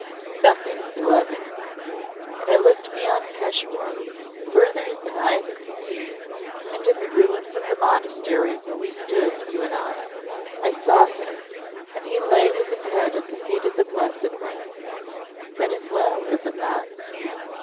"Nothing, Beloved." "And I looked beyond Peshawar, further than eyes could see, and in the ruins of the monastery where we stood, you and I I saw him, and he lay with his head at the feet of the Blessed One. That is well, is it not?"